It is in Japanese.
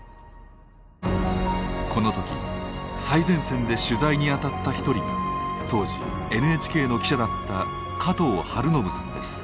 この時最前線で取材に当たった一人が当時ＮＨＫの記者だった加藤青延さんです。